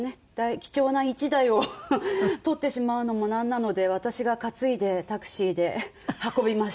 貴重な１台を取ってしまうのもなんなので私が担いでタクシーで運びました。